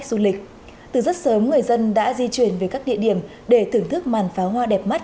du lịch từ rất sớm người dân đã di chuyển về các địa điểm để thưởng thức màn pháo hoa đẹp mắt